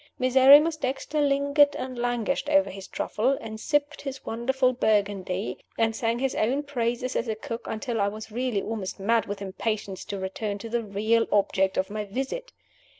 Miserrimus Dexter lingered and languished over his truffles, and sipped his wonderful Burgundy, and sang his own praises as a cook until I was really almost mad with impatience to return to the real object of my visit.